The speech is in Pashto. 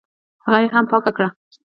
هغه یې هم پاکه کړه.